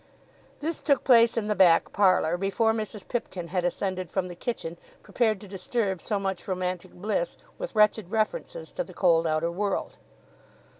This took place in the back parlour, before Mrs. Pipkin had ascended from the kitchen prepared to disturb so much romantic bliss with wretched references to the cold outer world.